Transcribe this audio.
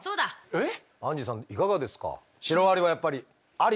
えっ？